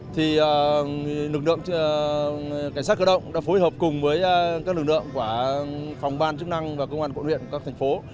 thì lực lượng cảnh sát cơ động đã phối hợp cùng với các lực lượng của phòng ban chức năng và công an cộng đoạn của các thành phố